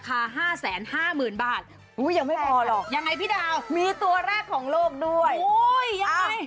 โอ้โห้ยยยยังไง